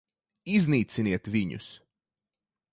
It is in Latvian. Iznīciniet viņus!